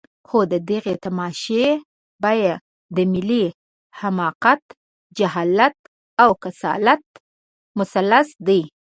خو د دغې تماشې بیه د ملي حماقت، جهالت او کسالت مثلث دی.